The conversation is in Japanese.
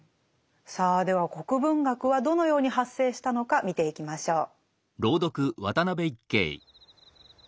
さあでは国文学はどのように発生したのか見ていきましょう。